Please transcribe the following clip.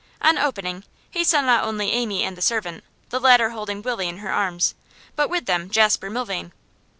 On opening he saw not only Amy and the servant, the latter holding Willie in her arms, but with them Jasper Milvain.